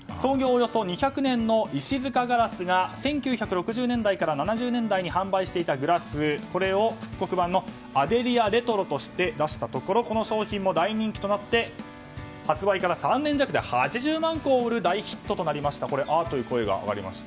およそ２００年の石塚硝子が１９６０年代から７０年代に販売していたグラスを復刻版のアデリアレトロとして出したところこの商品も大人気となって発売から３年弱で８０万個を売る大ヒットとなりました。